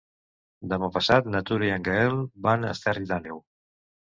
Demà passat na Tura i en Gaël van a Esterri d'Àneu.